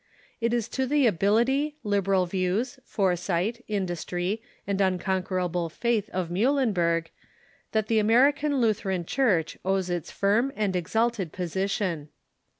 It is to the ability, liberal views, foresight, industr}', and unconquerable faith of Muhlenberg that the American Lutheran Church owes its firm and exalted j^osition.